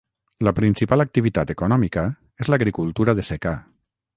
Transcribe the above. La principal activitat econòmica és l'agricultura de secà.